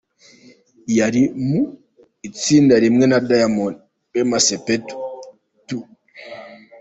Yari mu itsinda rimwe na Diamond, Wema Sepetu, T.